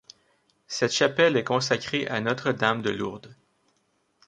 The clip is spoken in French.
Cette chapelle est consacrée à Notre-Dame de Lourdes.